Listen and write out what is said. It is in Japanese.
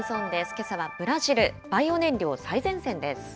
けさはブラジル・バイオ燃料最前線です。